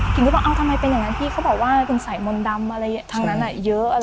กิ่งก็บอกอ้าวทำไมเป็นอย่างนั้นพี่เขาบอกว่าเป็นสายมนต์ดำอะไรทั้งนั้นอะเยอะอะไร